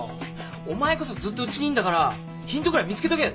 お前こそずっとうちにいんだからヒントぐらい見つけとけ。